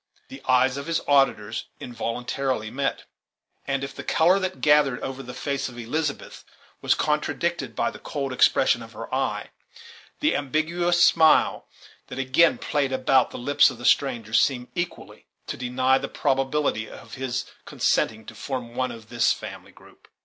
The eyes of his auditors involuntarily met; and, if the color that gathered over the face of Elizabeth was contradicted by the cold expression of her eye, the ambiguous smile that again played about the lips of the stranger seemed equally to deny the probability of his consenting to form one of this family group.